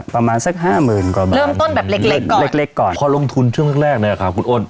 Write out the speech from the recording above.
พอลงทุนช่วงแรกเนี่ยค่ะคุณโอน